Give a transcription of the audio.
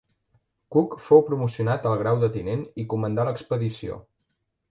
Cook fou promocionat al grau de tinent i comandà l'expedició.